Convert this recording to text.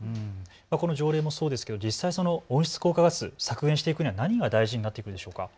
この条例もそうですが実際に温室効果ガス、削減していくには何が大事になってきますか。